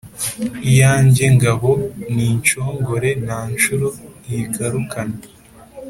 Iyanjye ngabo ni inshongore nta nshuro iyigarukana.